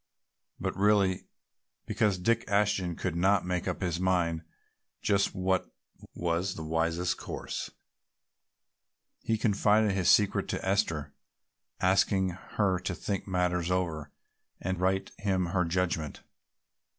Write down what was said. But really, because Dick Ashton could not make up his mind just what was the wisest course, he confided his secret to Esther, asking her to think matters over and write him her judgment.